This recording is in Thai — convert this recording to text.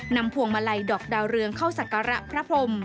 พวงมาลัยดอกดาวเรืองเข้าศักระพระพรม